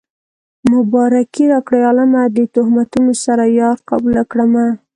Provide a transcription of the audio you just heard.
مبارکي راکړئ عالمه د تهمتونو سره يار قبوله کړمه